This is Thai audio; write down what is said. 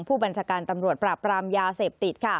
ผู้บัญชาการตำรวจปราบรามยาเสพติด